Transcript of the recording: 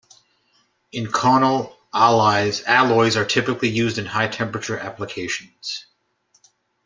Inconel alloys are typically used in high temperature applications.